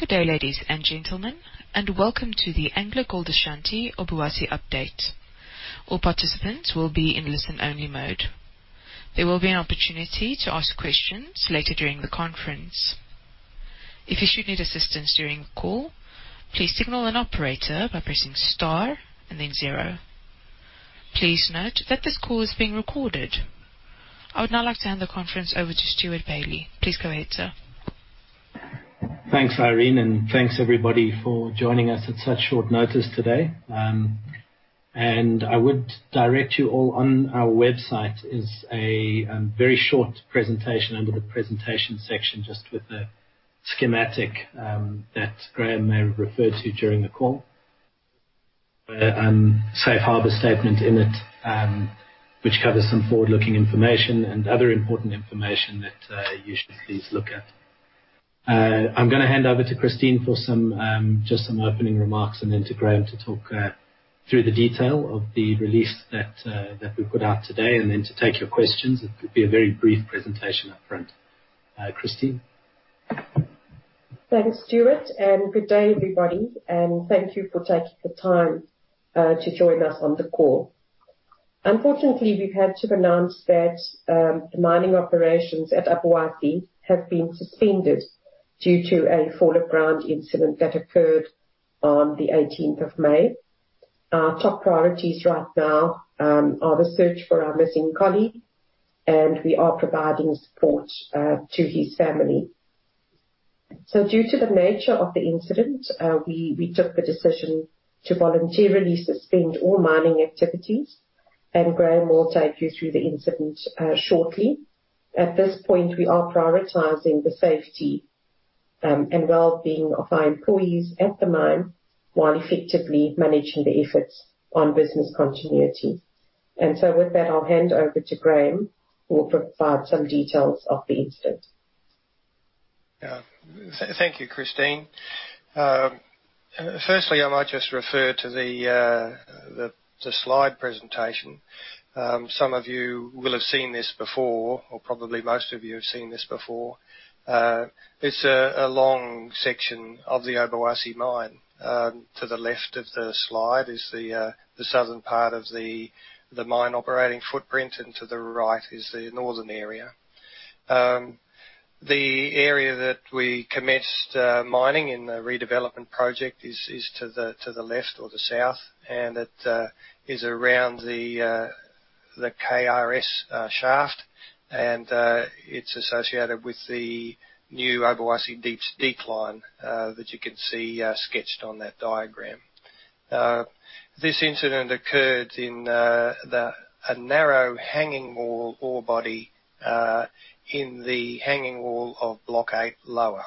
Good day, ladies and gentlemen, and welcome to the AngloGold Ashanti Obuasi update. All participants will be in listen-only mode. There will be an opportunity to ask questions later during the conference. If you should need assistance during the call, please signal an operator by pressing star and then zero. Please note that this call is being recorded. I would now like to hand the conference over to Stewart Bailey. Please go ahead, sir. Thanks, Irene, thanks everybody for joining us at such short notice today. I would direct you all on our website is a very short presentation under the presentation section, just with a schematic that Graham may refer to during the call, a safe harbor statement in it, which covers some forward-looking information and other important information that you should please look at. I'm going to hand over to Christine for just some opening remarks and then to Graham to talk through the detail of the release that we put out today, and then to take your questions. It'll be a very brief presentation up front. Christine? Thanks, Stewart, and good day, everybody, and thank you for taking the time to join us on the call. Unfortunately, we've had to announce that mining operations at Obuasi have been suspended due to a fall of ground incident that occurred on the 18th of May. Our top priorities right now are the search for our missing colleague, and we are providing support to his family. Due to the nature of the incident, we took the decision to voluntarily suspend all mining activities, and Graham will take you through the incident shortly. At this point, we are prioritizing the safety and wellbeing of our employees at the mine while effectively managing the effects on business continuity. With that, I'll hand over to Graham, who will provide some details of the incident. Yeah. Thank you, Christine. Firstly, I might just refer to the slide presentation. Some of you will have seen this before, or probably most of you have seen this before. It's a long section of the Obuasi mine. To the left of the slide is the southern part of the mine operating footprint, and to the right is the northern area. The area that we commenced mining in the redevelopment project is to the left or the south, and it is around the KRS shaft, and it's associated with the new Obuasi deep decline that you can see sketched on that diagram. This incident occurred in a narrow hanging wall ore body in the hanging wall of Block 8 lower.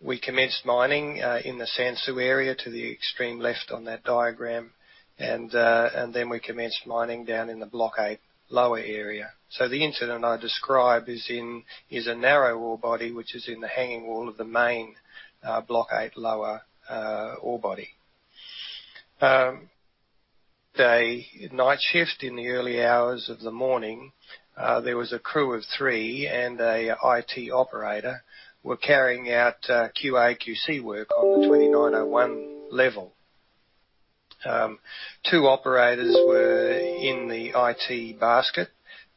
We commenced mining in the Sansu area to the extreme left on that diagram, and then we commenced mining down in the Block 8 lower area. The incident I describe is a narrow ore body, which is in the hanging wall of the main Block 8 lower ore body. Night shift in the early hours of the morning, there was a crew of three and a IT operator were carrying out QAQC work on the 2901 level. Two operators were in the IT basket,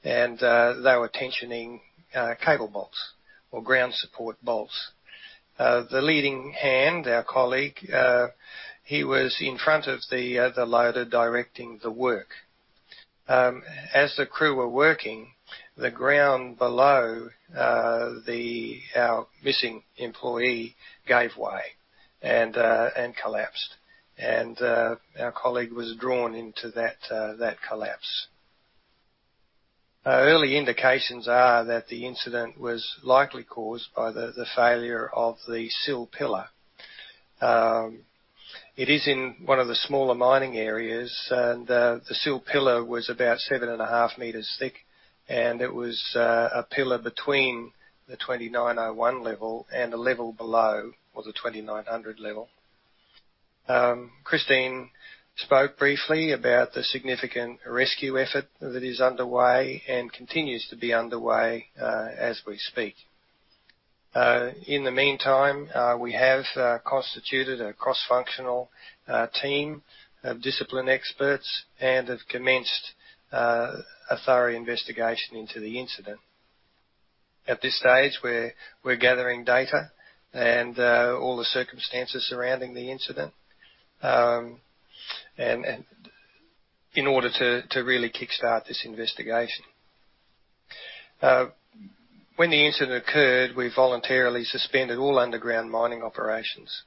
and they were tensioning cable bolts or ground support bolts. The leading hand, our colleague, he was in front of the loader directing the work. As the crew were working, the ground below our missing employee gave way and collapsed, and our colleague was drawn into that collapse. Early indications are that the incident was likely caused by the failure of the sill pillar. It is in one of the smaller mining areas, the sill pillar was about seven and a half meters thick, and it was a pillar between the 2901 level and the level below or the 2900 level. Christine spoke briefly about the significant rescue effort that is underway and continues to be underway as we speak. In the meantime, we have constituted a cross-functional team of discipline experts and have commenced a thorough investigation into the incident. At this stage, we're gathering data and all the circumstances surrounding the incident in order to really kickstart this investigation. When the incident occurred, we voluntarily suspended all underground mining operations.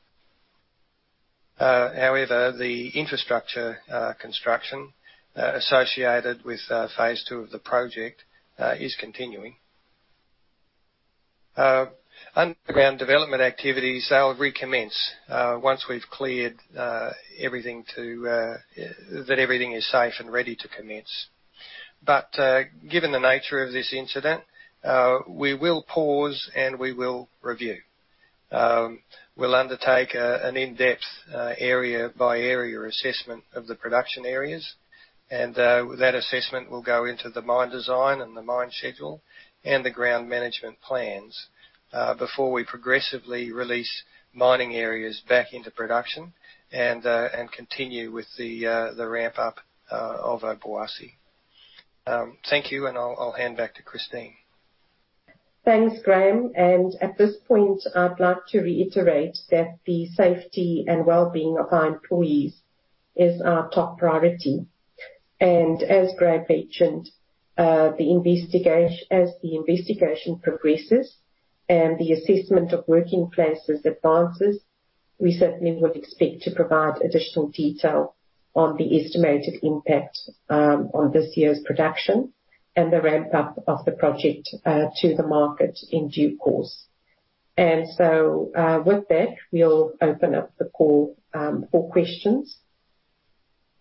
However, the infrastructure construction associated with Phase 2 of the project is continuing. Underground development activities will recommence once we've cleared that everything is safe and ready to commence. Given the nature of this incident, we will pause, and we will review. We'll undertake an in-depth area-by-area assessment of the production areas, and that assessment will go into the mine design and the mine schedule and the ground management plans before we progressively release mining areas back into production and continue with the ramp-up of Obuasi. Thank you, and I'll hand back to Christine. Thanks, Graham. At this point, I'd like to reiterate that the safety and well-being of our employees is our top priority. As Graham mentioned, as the investigation progresses and the assessment of working places advances, we certainly would expect to provide additional detail on the estimated impact on this year's production and the ramp-up of the project to the market in due course. With that, we'll open up the call for questions.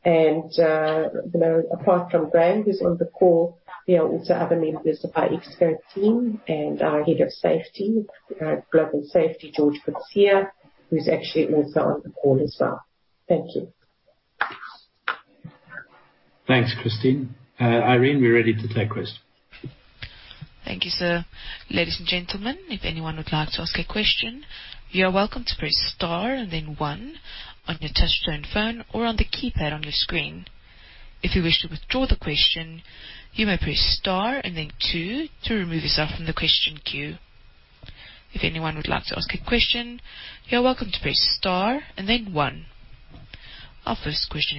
Apart from Graham, who's on the call, we also have members of our executive team and our Head of Global Safety, George Coetzee, who's actually also on the call as well. Thank you. Thanks, Christine. Irene, we're ready to take questions. Thank you, sir. Our first question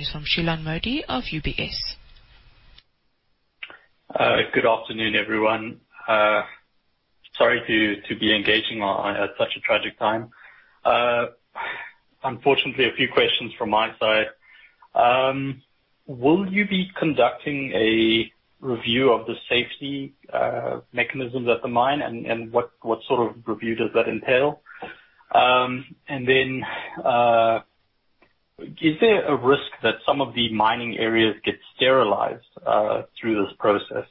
is from Shilan Modi of UBS. Good afternoon, everyone. Sorry to be engaging at such a tragic time. Unfortunately, a few questions from my side. Will you be conducting a review of the safety mechanisms at the mine, and what sort of review does that entail? Is there a risk that some of the mining areas get sterilized through this process?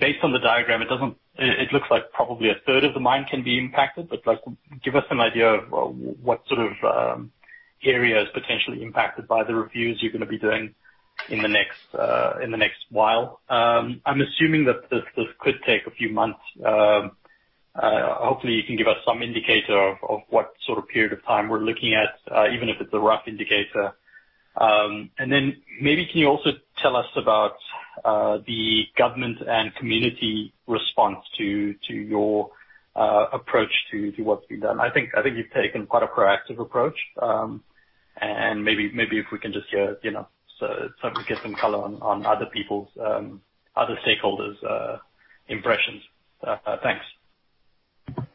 Based on the diagram, it looks like probably a third of the mine can be impacted, but give us some idea of what sort of area is potentially impacted by the reviews you're going to be doing in the next while. I'm assuming that this could take a few months. Hopefully, you can give us some indicator of what sort of period of time we're looking at, even if it's a rough indicator. Maybe can you also tell us about the government and community response to your approach to what's been done? I think you've taken quite a proactive approach, and maybe if we can just get some color on other stakeholders' impressions. Thanks.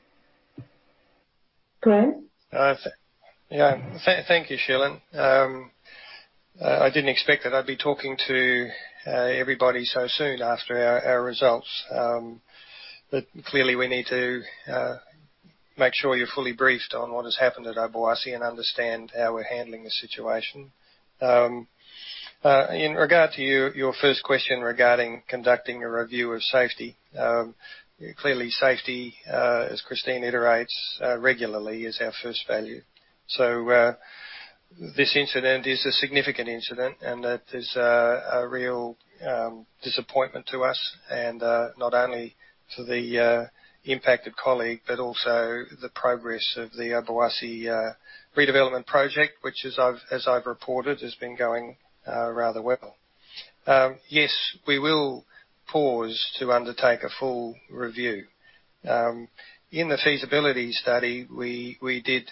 Graham? Thank you, Shilan. I didn't expect that I'd be talking to everybody so soon after our results. Clearly, we need to make sure you're fully briefed on what has happened at Obuasi and understand how we're handling the situation. In regard to your first question regarding conducting a review of safety. Clearly, safety, as Christine iterates regularly, is our first value. This incident is a significant incident and that is a real disappointment to us, and not only to the impacted colleague but also the progress of the Obuasi redevelopment project, which, as I've reported, has been going rather well. Yes, we will pause to undertake a full review. In the feasibility study, we did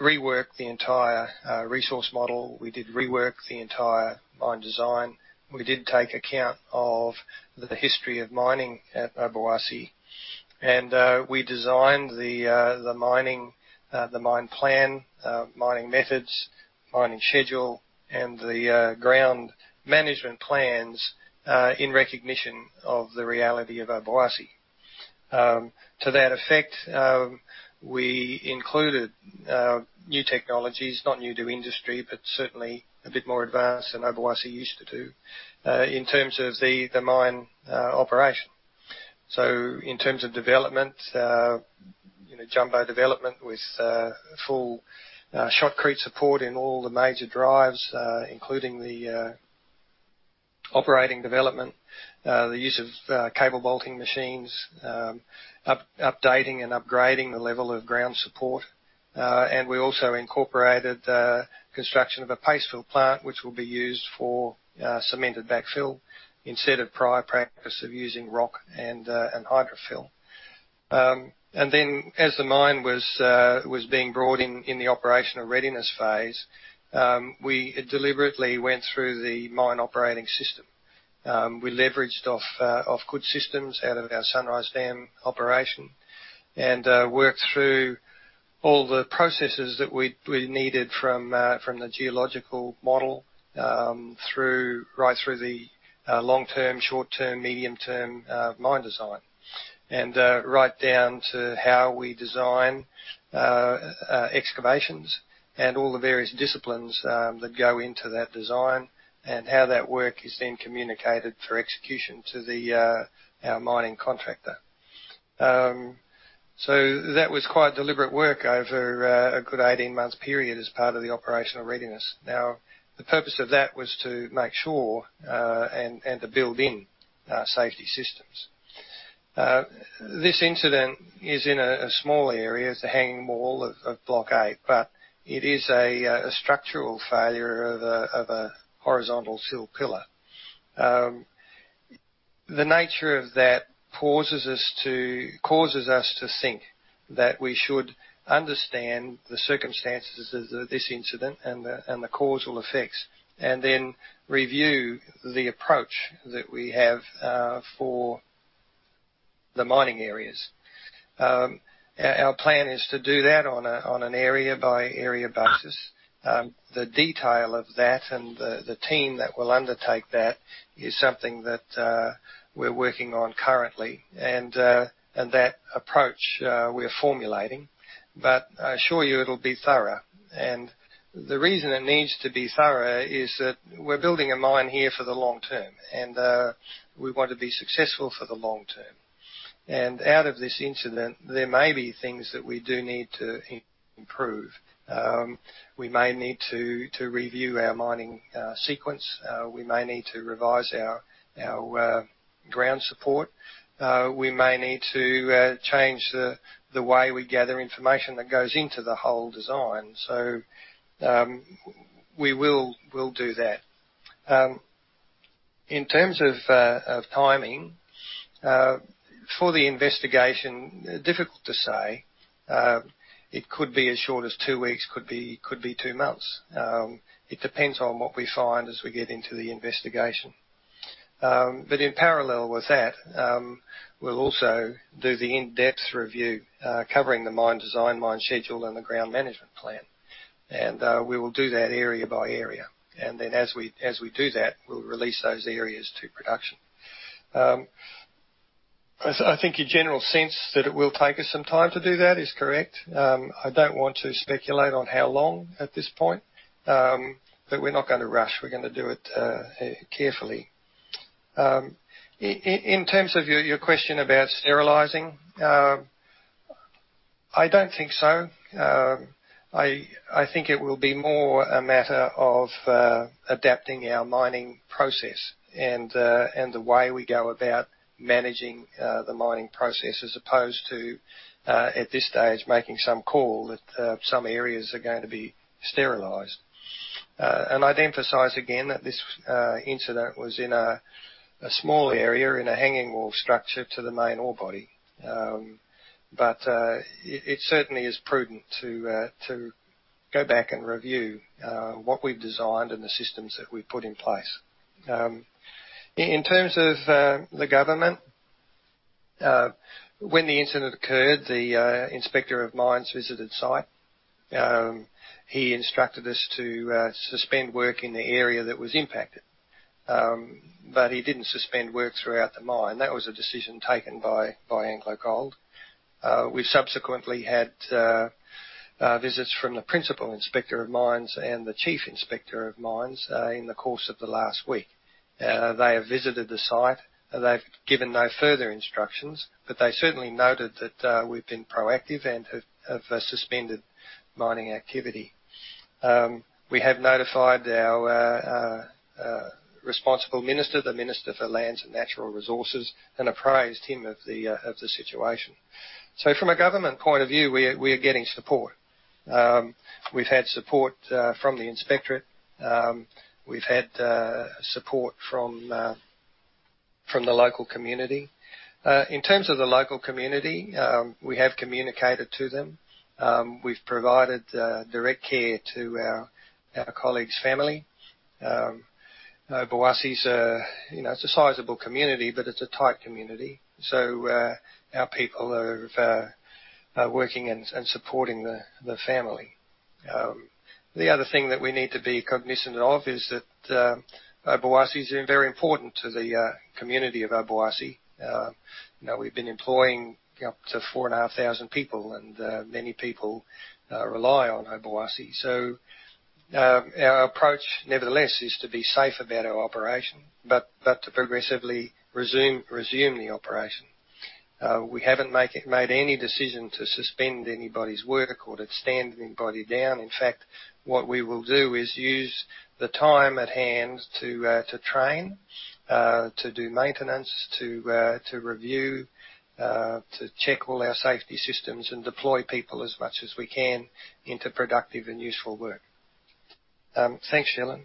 rework the entire resource model. We did rework the entire mine design. We did take account of the history of mining at Obuasi, and we designed the mine plan, mining methods, mining schedule, and the ground management plans in recognition of the reality of Obuasi. To that effect, we included new technologies, not new to industry, but certainly a bit more advanced than Obuasi used to do in terms of the mine operation. In terms of development, jumbo development with full shotcrete support in all the major drives, including the operating development, the use of cable bolting machines, updating and upgrading the level of ground support. We also incorporated the construction of a paste fill plant, which will be used for cemented backfill instead of prior practice of using rock and hydraulic fill. As the mine was being brought in the operational readiness phase, we deliberately went through the Mine Operating System. We leveraged off good systems out of our Sunrise Dam operation and worked through all the processes that we needed from the geological model right through the long-term, short-term, medium-term mine design, and right down to how we design excavations. All the various disciplines that go into that design and how that work is then communicated for execution to our mining contractor. That was quite deliberate work over a good 18 months period as part of the operational readiness. Now, the purpose of that was to make sure, and to build in safety systems. This incident is in a small area, it's a hanging wall of Block 8, but it is a structural failure of a horizontal sill pillar. The nature of that causes us to think that we should understand the circumstances of this incident and the causal effects, and then review the approach that we have for the mining areas. Our plan is to do that on an area-by-area basis. The detail of that and the team that will undertake that is something that we're working on currently. That approach we're formulating. I assure you it'll be thorough, and the reason it needs to be thorough is that we're building a mine here for the long term, and we want to be successful for the long term. Out of this incident, there may be things that we do need to improve. We may need to review our mining sequence. We may need to revise our ground support. We may need to change the way we gather information that goes into the whole design. We'll do that. In terms of timing for the investigation, difficult to say. It could be as short as two weeks, could be two months. It depends on what we find as we get into the investigation. In parallel with that, we'll also do the in-depth review, covering the mine design, mine schedule, and the ground management plan. We will do that area by area. As we do that, we'll release those areas to production. I think your general sense that it will take us some time to do that is correct. I don't want to speculate on how long at this point. We're not going to rush. We're going to do it carefully. In terms of your question about sterilizing, I don't think so. I think it will be more a matter of adapting our mining process and the way we go about managing the mining process as opposed to, at this stage, making some call that some areas are going to be sterilized. I'd emphasize again that this incident was in a small area in a hanging wall structure to the main ore body. It certainly is prudent to go back and review what we've designed and the systems that we've put in place. In terms of the government, when the incident occurred, the Inspector of Mines visited site. He instructed us to suspend work in the area that was impacted, but he didn't suspend work throughout the mine. That was a decision taken by AngloGold. We subsequently had visits from the Principal Inspector of Mines and the Chief Inspector of Mines in the course of the last week. They have visited the site, and they've given no further instructions, but they certainly noted that we've been proactive and have suspended mining activity. We have notified our responsible minister, the Minister for Lands and Natural Resources, and appraised him of the situation. From a government point of view, we're getting support. We've had support from the inspectorate. We've had support from the local community. In terms of the local community, we have communicated to them. We've provided direct care to our colleague's family. Obuasi, it's a sizable community, but it's a tight community. Our people are working and supporting the family. The other thing that we need to be cognizant of is that Obuasi is very important to the community of Obuasi. We've been employing up to 4,500 people, and many people rely on Obuasi. Our approach, nevertheless, is to be safe about our operation, but to progressively resume the operation. We haven't made any decision to suspend anybody's work or to stand anybody down. In fact, what we will do is use the time at hand to train, to do maintenance, to review, to check all our safety systems and deploy people as much as we can into productive and useful work. Thanks, Shilan.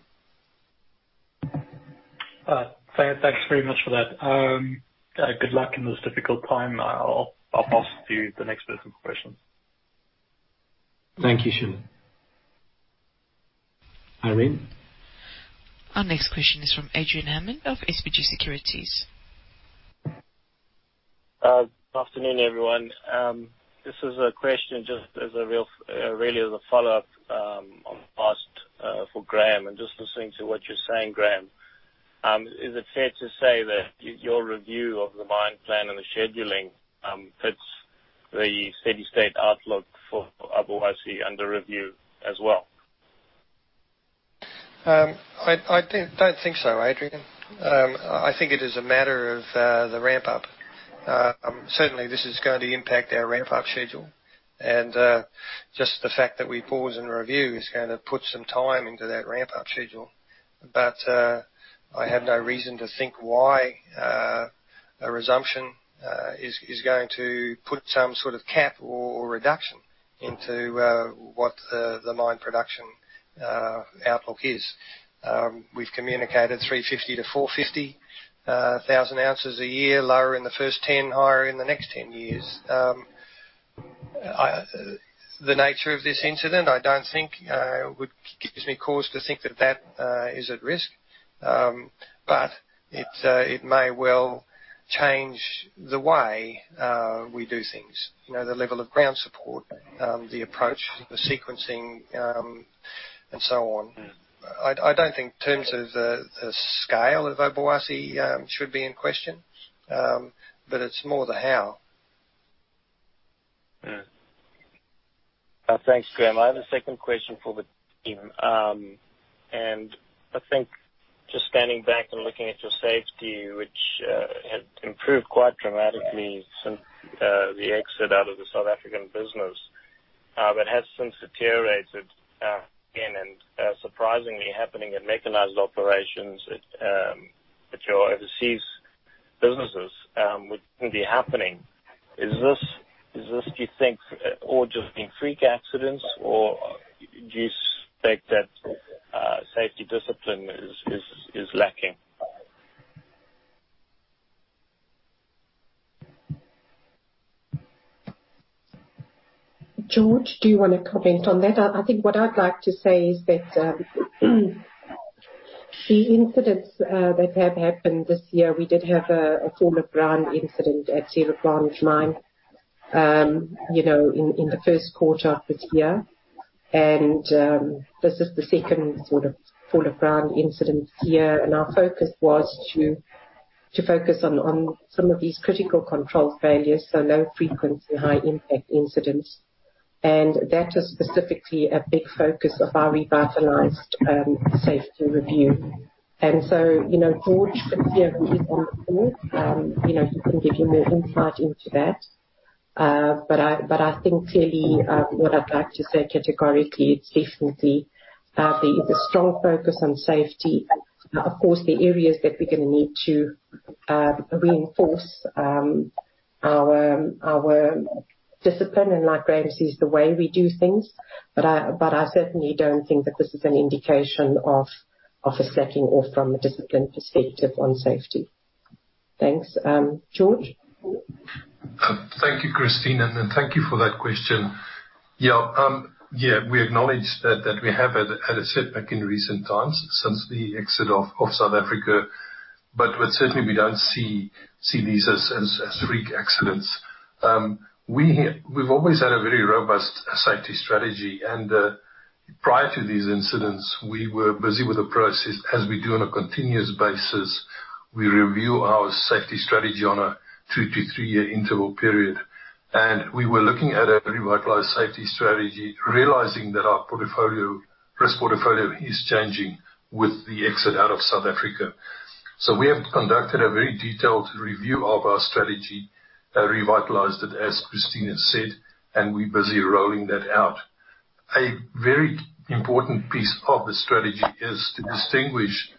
Thanks very much for that. Good luck in this difficult time. I will pass to the next person for questions. Thank you, Shilan. Irene? Our next question is from Adrian Hammond of SBG Securities. Afternoon, everyone. This is a question just as a follow-up on the last. For Graham, just listening to what you're saying, Graham, is it fair to say that your review of the mine plan and the scheduling fits the steady state outlook for Obuasi under review as well? I don't think so, Adrian. I think it is a matter of the ramp-up. Certainly, this is going to impact our ramp-up schedule. Just the fact that we pause and review is going to put some time into that ramp-up schedule. I have no reason to think why a resumption is going to put some sort of cap or reduction into what the mine production outlook is. We've communicated 350,000-450,000 ounces a year, lower in the first 10, higher in the next 10 years. The nature of this incident, I don't think would give me cause to think that is at risk, but it may well change the way we do things. The level of ground support, the approach to the sequencing, and so on. I don't think in terms of the scale of Obuasi should be in question, but it's more the how. Thanks, Graham. I have a second question for the team, and I think just going back and looking at your safety, which had improved quite dramatically since the exit out of the South African business, but has since deteriorated again and surprisingly happening in mechanized operations at your overseas businesses, which shouldn't be happening. Is this, do you think, all just being freak accidents, or do you suspect that safety discipline is lacking? George, do you want to comment on that? I think what I'd like to say is that two incidents that have happened this year, we did have a fall of ground incident at Serra Grande mine in the first quarter of this year. This is the second fall of ground incident this year, our focus was to focus on some of these critical control failures, so low frequency, high impact incidents. That was specifically a big focus of our revitalized safety review. George is here with me as well. He can give you more insight into that. I think clearly what I'd like to say categorically is this will be the strong focus on safety. Of course, the areas that we're going to need to reinforce our discipline and like Graham says, the way we do things. I certainly don't think that this is an indication of a stepping off from a discipline perspective on safety. Thanks. George? Thank you, Christine, and thank you for that question. Yeah. We acknowledge that we have had a setback in recent times since the exit of South Africa. Certainly, we don't see these as freak accidents. We've always had a very robust safety strategy, and prior to these incidents, we were busy with a process, as we do on a continuous basis. We review our safety strategy on a two- to three-year interval period. We were looking at a revitalized safety strategy, realizing that our risk portfolio is changing with the exit out of South Africa. We have conducted a very detailed review of our strategy, revitalized it, as Christine said, and we're busy rolling that out. A very important piece of the strategy is to distinguish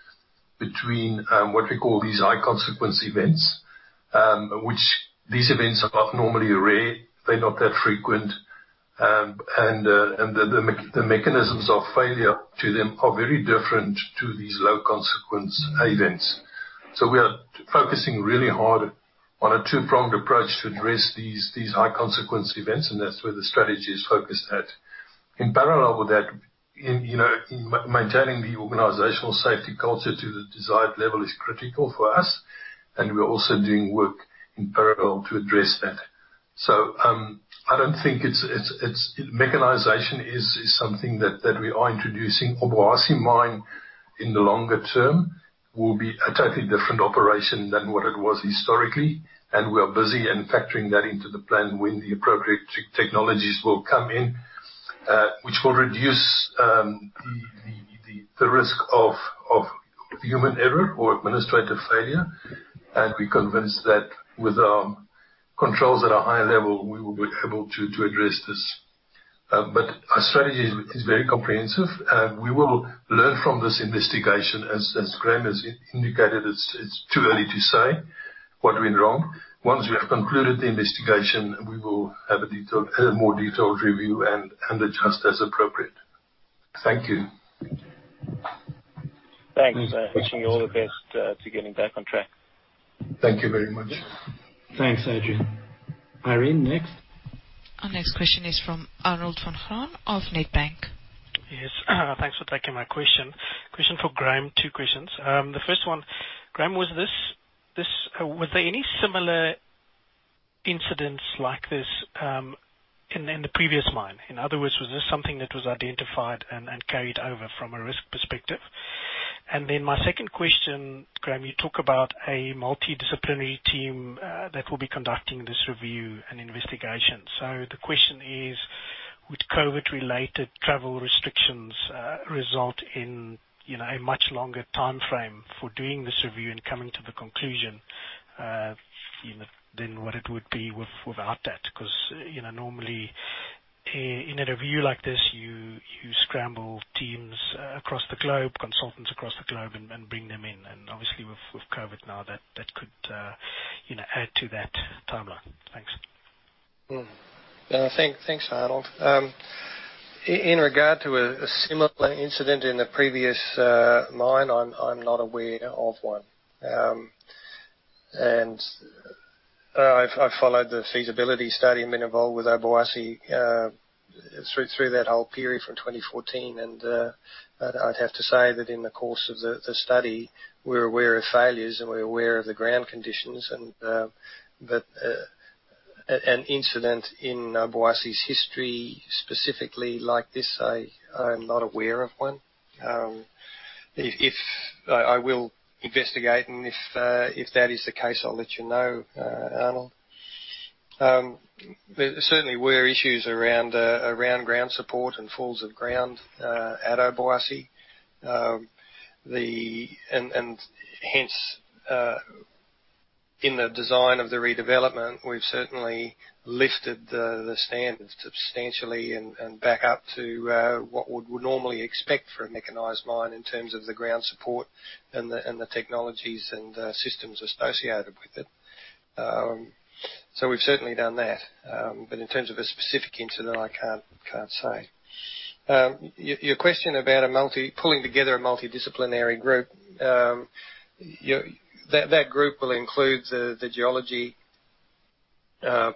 between what we call these high consequence events, which these events are normally rare. They're not that frequent. The mechanisms of failure to them are very different to these low consequence events. We are focusing really hard on a two-pronged approach to address these high consequence events, and that's where the strategy is focused at. In parallel with that, maintaining the organizational safety culture to the desired level is critical for us, and we're also doing work in parallel to address that. I don't think mechanization is something that we are introducing. Obuasi mine, in the longer term, will be a totally different operation than what it was historically, and we are busy and factoring that into the plan when the appropriate technologies will come in, which will reduce the risk of human error or administrative failure. We're convinced that with our controls at a high level, we will be able to address this. Our strategy is very comprehensive. We will learn from this investigation. As Graham has indicated, it's too early to say what went wrong. Once we have concluded the investigation, we will have a more detailed review and adjust as appropriate. Thank you. Thanks. Wishing you all the best to getting back on track. Thank you very much. Thanks, Adrian. Irene, next. Our next question is from Arnold Van Graan of Nedbank. Yes. Thanks for taking my question. Question for Graham. Two questions. The first one, Graham, were there any similar incidents like this in the previous mine? In other words, was this something that was identified and carried over from a risk perspective? Then my second question, Graham, you talk about a multidisciplinary team that will be conducting this review and investigation. The question is, would COVID-related travel restrictions result in a much longer timeframe for doing this review and coming to the conclusion than what it would be without that? Because normally in a review like this, you scramble teams across the globe, consultants across the globe, and bring them in. Obviously, with COVID now, that could add to that timeline. Thanks. No, thanks, Arnold. In regard to a similar incident in the previous mine, I'm not aware of one. I followed the feasibility study, been involved with Obuasi through that whole period from 2014, and I'd have to say that in the course of the study, we're aware of failures, and we're aware of the ground conditions, but an incident in Obuasi's history, specifically like this, I am not aware of one. I will investigate, and if that is the case, I'll let you know, Arnold. Certainly, were issues around ground support and falls of ground at Obuasi. Hence, in the design of the redevelopment, we've certainly lifted the standards substantially and back up to what we would normally expect for a mechanized mine in terms of the ground support and the technologies and systems associated with it. We've certainly done that. In terms of a specific incident, I can't say. Your question about pulling together a multidisciplinary group. That group will include the geology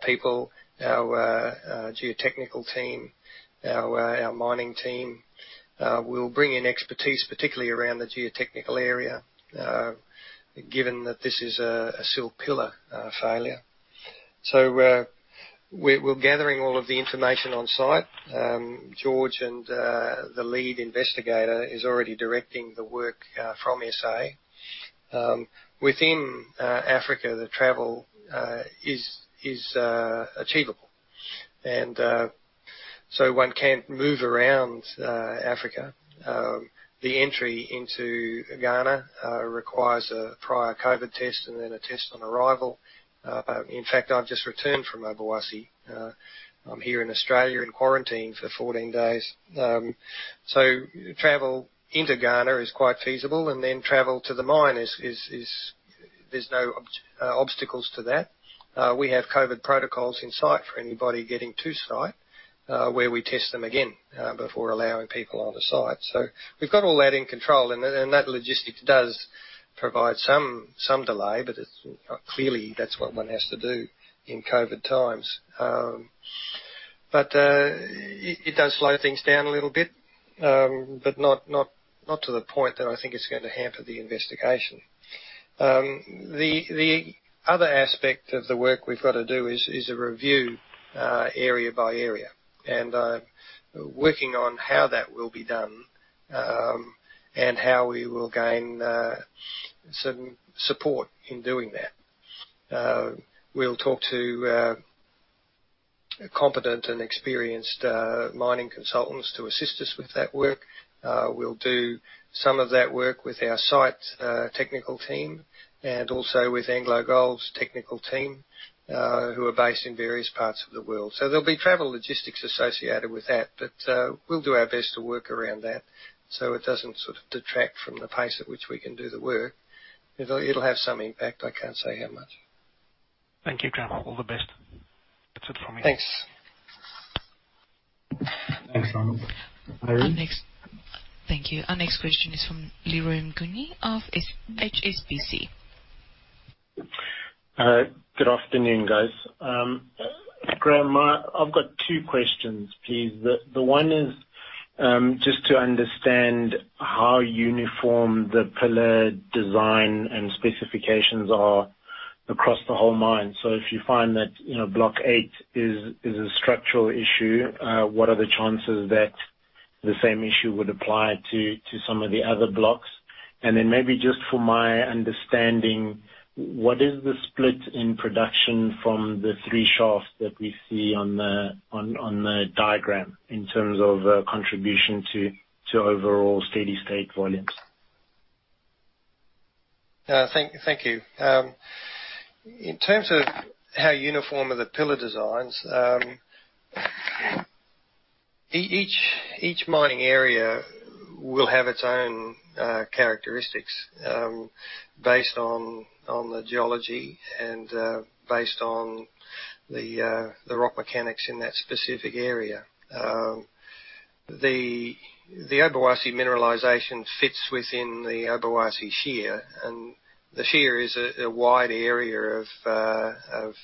people, our geotechnical team, our mining team. We'll bring in expertise, particularly around the geotechnical area, given that this is a sill pillar failure. We're gathering all of the information on-site. George and the lead investigator is already directing the work from S.A.. Within Africa, the travel is achievable, and so one can move around Africa. The entry into Ghana requires a prior COVID test and then a test on arrival. In fact, I've just returned from Obuasi. I'm here in Australia in quarantine for 14 days. Travel into Ghana is quite feasible, and then travel to the mine, there's no obstacles to that. We have COVID protocols in site for anybody getting to site, where we test them again before allowing people on the site. We've got all that in control, and that logistics does provide some delay, but clearly, that's what one has to do in COVID times. It does slow things down a little bit, but not to the point that I think it's going to hamper the investigation. The other aspect of the work we've got to do is a review area by area and working on how that will be done and how we will gain some support in doing that. We'll talk to competent and experienced mining consultants to assist us with that work. We'll do some of that work with our site's technical team and also with AngloGold's technical team, who are based in various parts of the world. There'll be travel logistics associated with that, but we'll do our best to work around that so it doesn't detract from the pace at which we can do the work. It'll have some impact, but I can't say how much. Thank you, Graham. All the best. That's it for me. Thanks. Thanks, Arnold. Irene. Thank you. Our next question is from Leroy Mnguni of HSBC. Good afternoon, guys. Graham, I've got two questions, please. The one is just to understand how uniform the pillar design and specifications are across the whole mine. If you find that Block 8 is a structural issue, what are the chances that the same issue would apply to some of the other blocks? Then maybe just for my understanding, what is the split in production from the three shafts that we see on the diagram in terms of contribution to overall steady-state volumes? Thank you. In terms of how uniform are the pillar designs, each mining area will have its own characteristics based on the geology and based on the rock mechanics in that specific area. The Obuasi mineralization fits within the Obuasi Shear, the Shear is a wide area of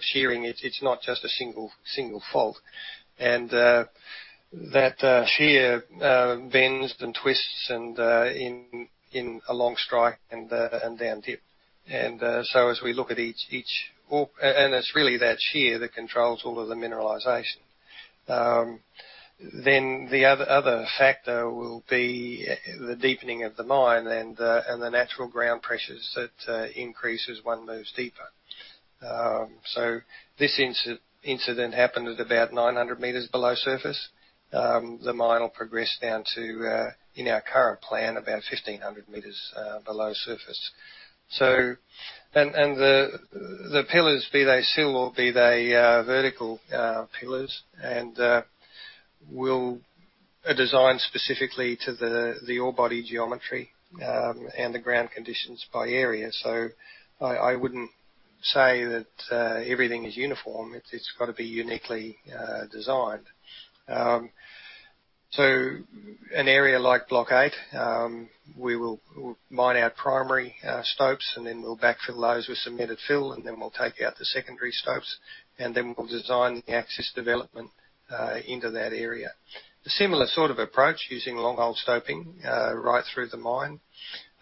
shearing. It is not just a single fault. That Shear bends and twists along strike and down dip. It is really that Shear that controls all of the mineralization. The other factor will be the deepening of the mine and the natural ground pressures that increase as one moves deeper. This incident happened at about 900 m below surface. The mine will progress down to, in our current plan, about 1,500 m below surface. The pillars, be they sill or be they vertical pillars, and will design specifically to the orebody geometry and the ground conditions by area. I wouldn't say that everything is uniform. It's got to be uniquely designed. An area like Block 8, we will mine our primary stopes, and then we'll backfill those with cemented backfill, and then we'll take out the secondary stopes, and then we'll design the access development into that area. A similar sort of approach using long hole stoping right through the mine.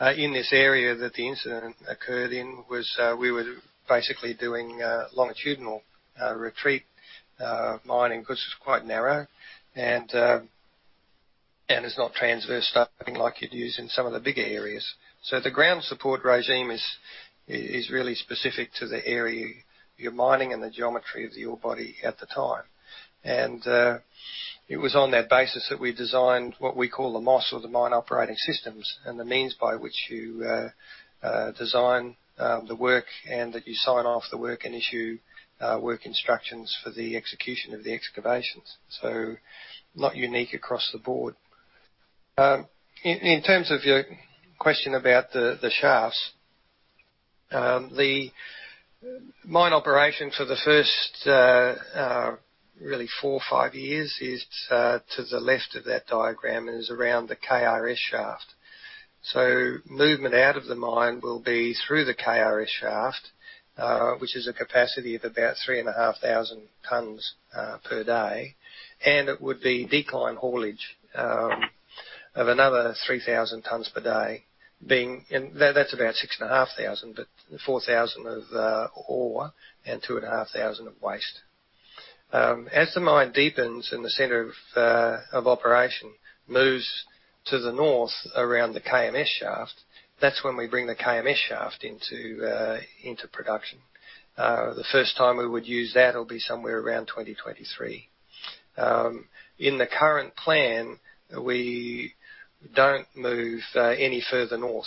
In this area that the incident occurred in, we were basically doing longitudinal retreat mining because it's quite narrow, and it's not transverse stoping like you'd use in some of the bigger areas. The ground support regime is really specific to the area you're mining and the geometry of the orebody at the time. It was on that basis that we designed what we call the MOS, or the Mine Operating Systems, and the means by which you design the work and that you sign off the work and issue work instructions for the execution of the excavations. Not unique across the board. In terms of your question about the shafts, the mine operation for the first really four or five years is to the left of that diagram and is around the KRS shaft. Movement out of the mine will be through the KRS shaft, which is a capacity of about 3,500 tons per day. It would be decline haulage of another 3,000 tons per day. That's about 6,500, but 4,000 of ore and 2,500 of waste. As the mine deepens and the center of operation moves to the north around the KMS shaft, that's when we bring the KMS shaft into production. The first time we would use that will be somewhere around 2023. In the current plan, we don't move any further north,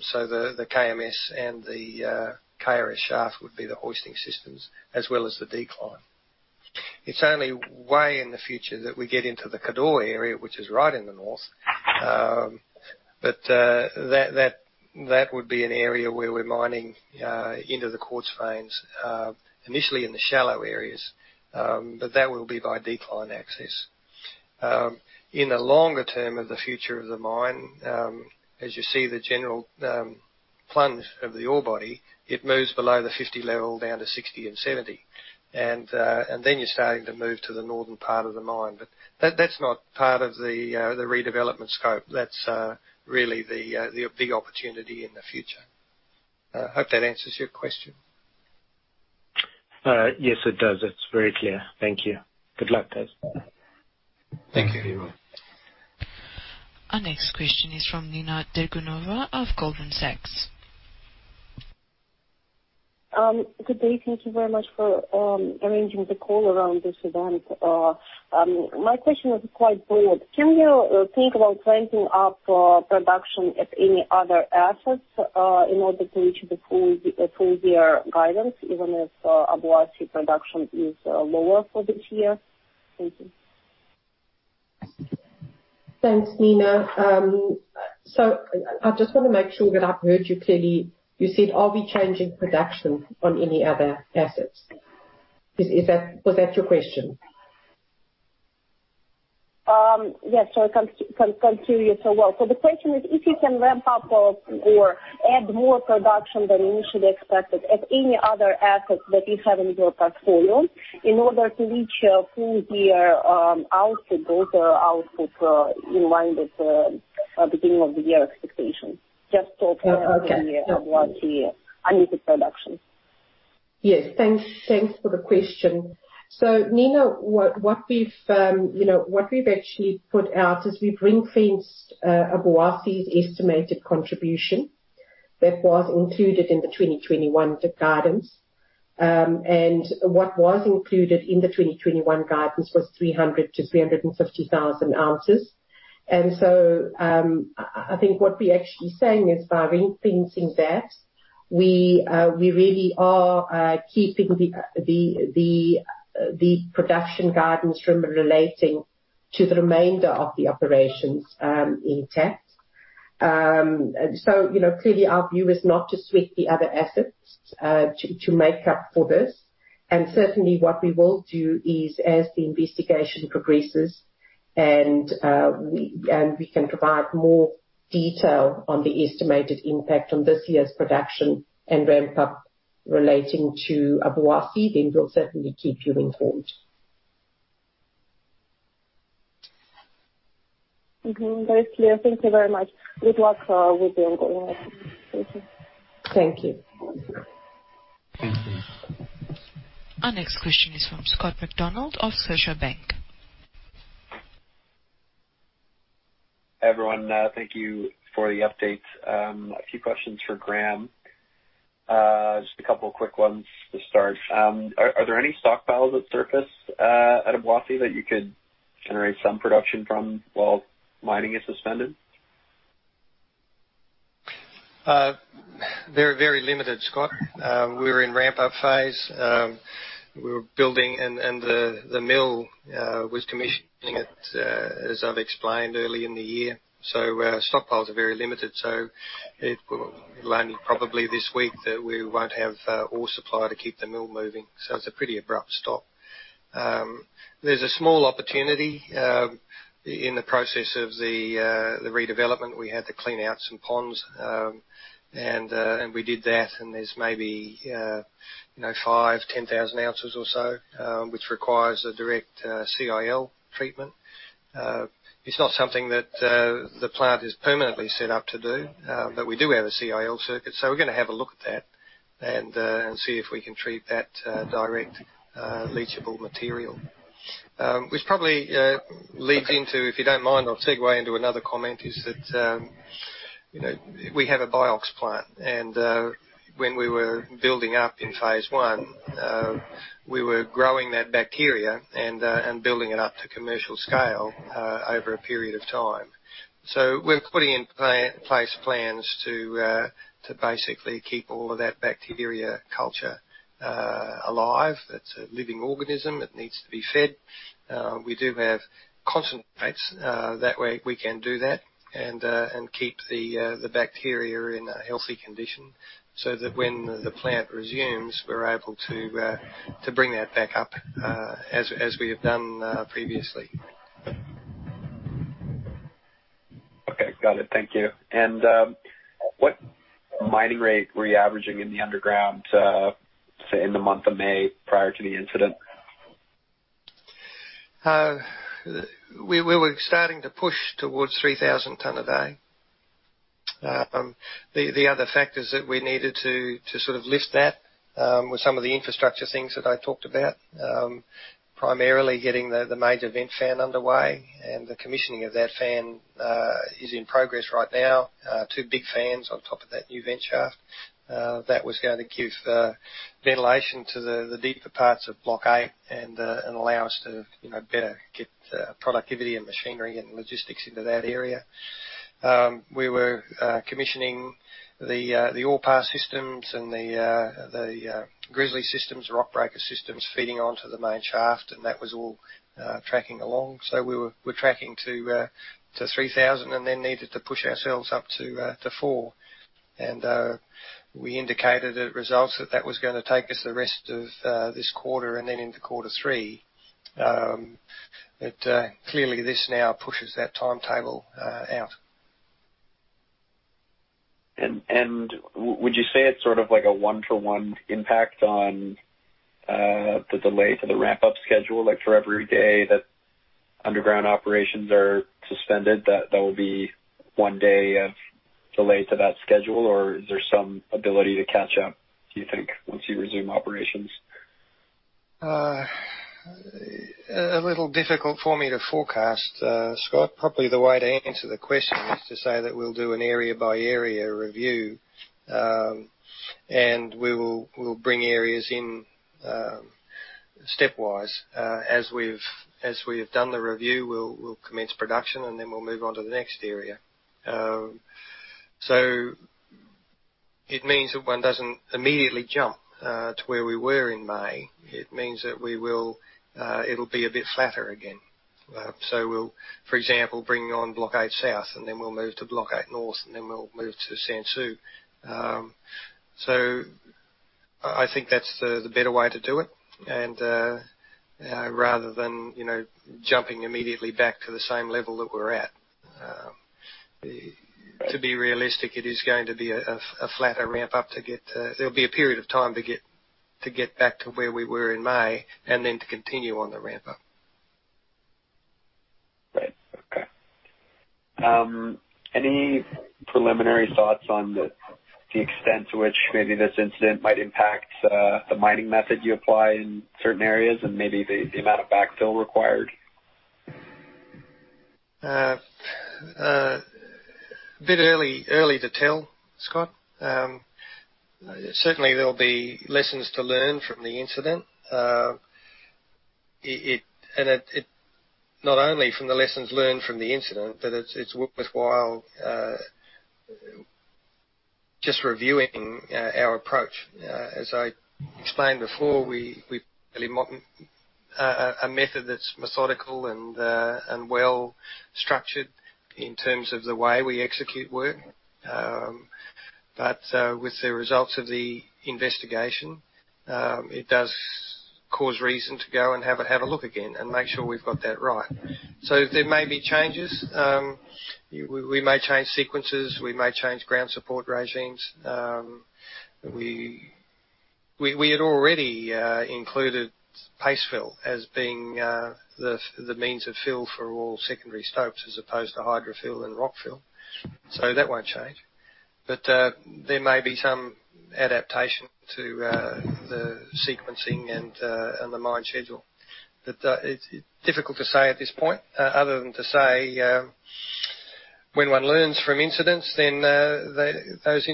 so the KMS and the KRS shaft would be the hoisting systems as well as the decline. It's only way in the future that we get into the Cote d'Or area, which is right in the north. That would be an area where we're mining into the quartz veins, initially in the shallow areas, but that will be by decline access. In the longer term of the future of the mine, as you see the general plunge of the ore body, it moves below the 50 level down to 60 and 70, and then you're starting to move to the northern part of the mine. But that's not part of the redevelopment scope. That's really the opportunity in the future. I hope that answers your question. Yes, it does. It's very clear. Thank you. Good luck, guys. Thank you. Our next question is from Nina Dergunova of Goldman Sachs. Good day. Thank you very much for arranging the call around this event. My question is quite broad. Do you think about ramping up production at any other assets in order to reach the full-year guidance, even if Obuasi production is lower for this year? Thank you. Thanks, Nina. I just want to make sure that I've heard you clearly. You said are we changing production on any other assets. Was that your question? Yes. Continuing as well. The question is, if you can ramp up or add more production than initially expected at any other asset that you have in your portfolio in order to reach a full-year output, those outputs in line with the beginning of the year expectations. Just talking about Obuasi annual production. Yes, thanks for the question. Nina, what we've actually put out is we've increased Obuasi's estimated contribution that was included in the 2021 guidance. What was included in the 2021 guidance was 300,000-350,000 ounces. I think what we're actually saying is by increasing that, we really are keeping the production guidance relating to the remainder of the operations intact. Clearly our view is not to switch the other assets to make up for this. Certainly what we will do is as the investigation progresses, and we can provide more detail on the estimated impact on this year's production and ramp up relating to Obuasi, then we'll certainly keep you informed. Thank you. Thank you very much. Good luck with the ongoing efforts. Thank you. Thank you. Our next question is from Scott MacDonald of Scotiabank. Everyone, thank you for the updates. A few questions for Graham. Just a couple of quick ones to start. Are there any stockpiles at surface at Obuasi that you could generate some production from while mining is suspended? They're very limited, Scott. We're in ramp up phase. We were building and the mill was commissioning it, as I've explained, early in the year. Stockpiles are very limited. You've learned probably this week that we won't have ore supply to keep the mill moving. It's a pretty abrupt stop. There's a small opportunity in the process of the redevelopment. We had to clean out some ponds, and we did that, and there's maybe 5,000-10,000 ounces or so, which requires a direct CIL treatment. It's not something that the plant is permanently set up to do, but we do have a CIL circuit, so we're going to have a look at that and see if we can treat that direct leachable material. Which probably leads into, if you don't mind, I'll segue into another comment, is that we have a BIOX plant, and when we were building up in Phase 1, we were growing that bacteria and building it up to commercial scale over a period of time. We're putting in place plans to basically keep all of that bacteria culture alive. It's a living organism. It needs to be fed. We do have concentrates. That way, we can do that and keep the bacteria in a healthy condition so that when the plant resumes, we're able to bring that back up as we have done previously. Okay, got it. Thank you. What mining rate were you averaging in the underground, say, in the month of May prior to the incident? We were starting to push towards 3,000 tons a day. The other factors that we needed to sort of lift that were some of the infrastructure things that I talked about, primarily getting the major vent fan underway and the commissioning of that fan is in progress right now. Two big fans on top of that new vent shaft. That was going to give the ventilation to the deeper parts of Block 8 and allow us to better get productivity and machinery and logistics into that area. We were commissioning the ore pass systems and the grizzly systems, rock breaker systems feeding onto the main shaft. That was all tracking along. We were tracking to 3,000 and then needed to push ourselves up to four. We indicated at results that that was going to take us the rest of this quarter and then into quarter three. Clearly, this now pushes that timetable out. Would you say it's sort of like a one-for-one impact on the delay to the ramp-up schedule? Like for every day that underground operations are suspended, that there will be one day of delay to that schedule? Or is there some ability to catch up, do you think, once you resume operations? A little difficult for me to forecast, Scott. Probably the way to answer the question is to say that we'll do an area-by-area review, and we'll bring areas in stepwise. As we have done the review, we'll commence production, and then we'll move on to the next area. It means that one doesn't immediately jump to where we were in May. It means that it'll be a bit flatter again. We'll, for example, bring on Block 8 South, and then we'll move to Block 8 North, and then we'll move to Sansu. I think that's the better way to do it, and rather than jumping immediately back to the same level that we're at. To be realistic, it is going to be a flatter ramp up. There'll be a period of time to get back to where we were in May and then to continue on the ramp up. Right. Okay. Any preliminary thoughts on the extent to which maybe this incident might impact the mining method you apply in certain areas and maybe the amount of backfill required? Bit early to tell, Scott. Certainly, there'll be lessons to learn from the incident. Not only from the lessons learned from the incident, but it's worthwhile just reviewing our approach. As I explained before, we've a method that's methodical and well-structured in terms of the way we execute work. With the results of the investigation, it does cause reason to go and have a look again and make sure we've got that right. There may be changes. We may change sequences, we may change ground support regimes. We had already included paste fill as being the means of fill for all secondary stopes, as opposed to hydrofill and rockfill. That won't change. There may be some adaptation to the sequencing and the mine schedule. It's difficult to say at this point, other than to say, when one learns from incidents, then those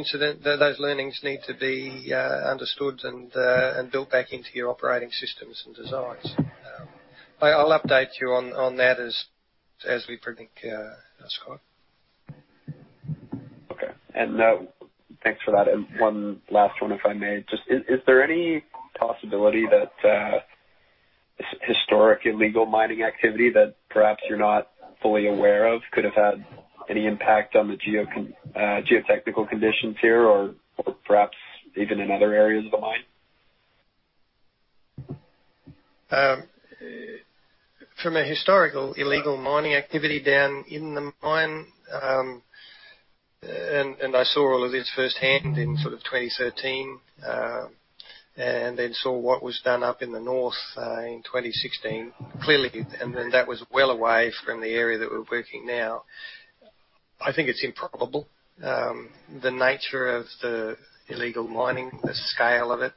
learnings need to be understood and built back into your operating systems and designs. I'll update you on that as we predict, Scott. Okay. Thanks for that. One last one, if I may. Just, is there any possibility that historic illegal mining activity that perhaps you're not fully aware of could have had any impact on the geotechnical conditions here, or perhaps even in other areas of the mine? From a historical illegal mining activity down in the mine, I saw all of this firsthand in 2013, then saw what was done up in the north in 2016, clearly, that was well away from the area that we're working now. I think it's improbable. The nature of the illegal mining, the scale of it,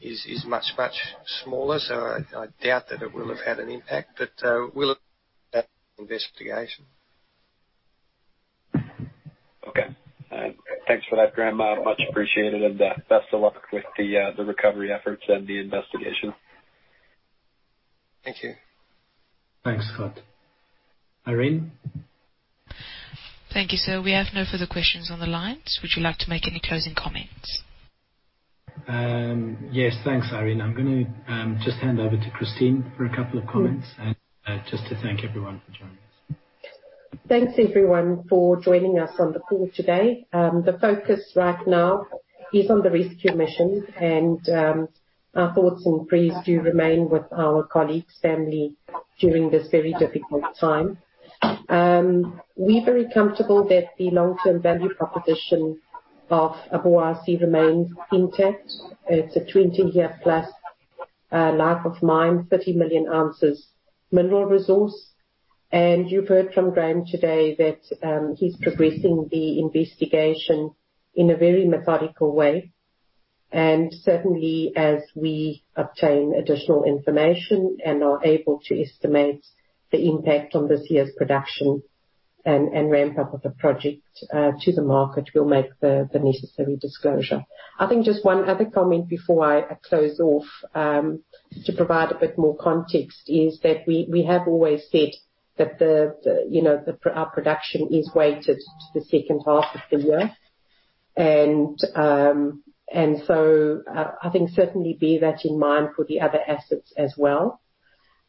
is much, much smaller. I doubt that it will have had an impact. We'll investigate. Okay. Thanks for that, Graham. Much appreciated. Best of luck with the recovery efforts and the investigation. Thank you. Thanks, Scott. Irene? Thank you, sir. We have no further questions on the line. Would you like to make any closing comments? Yes. Thanks, Irene. I'm going to just hand over to Christine for a couple of comments and just to thank everyone for joining us. Thanks, everyone, for joining us on the call today. The focus right now is on the rescue mission, and our thoughts and prayers do remain with our colleague's family during this very difficult time. We're very comfortable that the long-term value proposition of Obuasi remains intact. It's a 20-year-plus life of mine, 30 million ounces mineral resource. You've heard from Graham today that he's progressing the investigation in a very methodical way. Certainly, as we obtain additional information and are able to estimate the impact on this year's production and ramp up of the project to the market, we'll make the necessary disclosure. I think just one other comment before I close off, to provide a bit more context, is that we have always said that our production is weighted to the second half of the year. I think certainly bear that in mind for the other assets as well.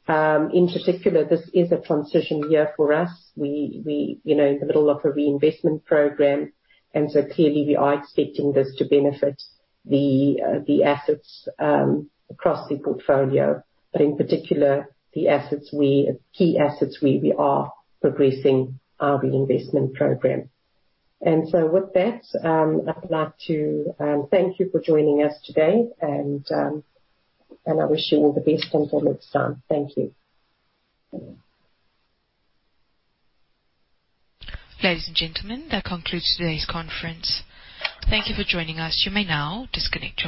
In particular, this is a transition year for us. We are in the middle of a reinvestment program. Clearly we are expecting this to benefit the assets across the portfolio, but in particular, the key assets where we are progressing our reinvestment program. With that, I'd like to thank you for joining us today, and I wish you all the best for the rest of the time. Thank you. Ladies and gentlemen, that concludes today's conference. Thank you for joining us. You may now disconnect your lines.